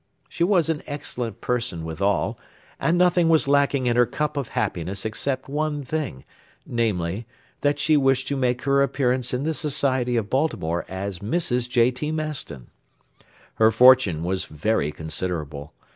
She was an excellent person withal, and nothing was lacking in her cup of happiness except one thing, namely, that she wished to make her appearance in the society of Baltimore as Mrs. J.T. Maston. Her fortune was very considerable.